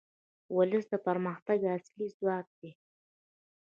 ولس د پرمختګ اصلي ځواک دی.